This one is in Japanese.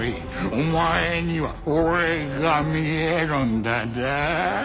お前には俺が見えるんだな。